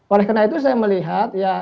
oleh karena itu saya melihat ya